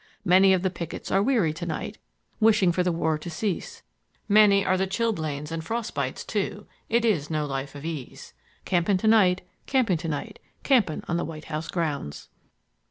Many of the pickets are weary to night, Wishing for the war to cease; many are the chilblains and frost bites too; It is no life of ease. Camping to night, camping to night, Camping on the White House grounds."